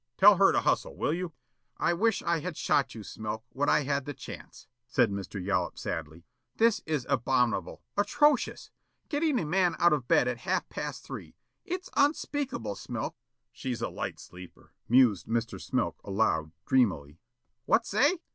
Tell her to hustle, will you?" "I wish I had shot you, Smilk, when I had the chance," said Mr. Yollop sadly. "This is abominable, atrocious. Getting a man out of bed at half past three! It's unspeakable, Smilk!" "She's a light sleeper," mused Mr. Smilk aloud, dreamily. "What say?"